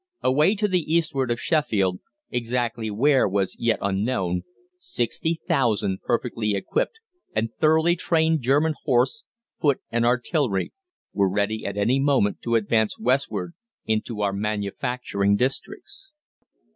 Away to the eastward of Sheffield exactly where was yet unknown sixty thousand perfectly equipped and thoroughly trained German horse, foot, and artillery, were ready at any moment to advance westward into our manufacturing districts!